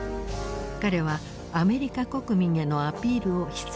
彼はアメリカ国民へのアピールを必要としていた。